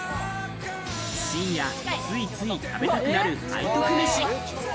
深夜ついつい食べたくなる背徳飯。